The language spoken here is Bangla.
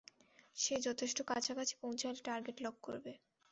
সে যথেষ্ট কাছাকাছি পৌঁছালে টার্গেট লক করবে।